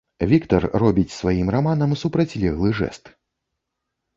Віктар робіць сваім раманам супрацьлеглы жэст.